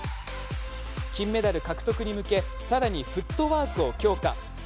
金メダル獲得に向けさらにフットワークを強化。